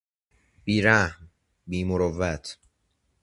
بیرحم، بیمروت